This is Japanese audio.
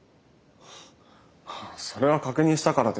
それは確認したからで。